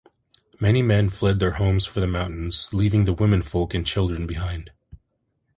Many men fled their homes for the mountains, leaving the womenfolk and children behind.